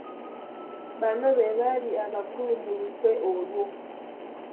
Bano be baali abakulu mu lukwe olwo.